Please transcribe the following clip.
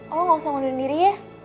lo gak usah mundurin diri ya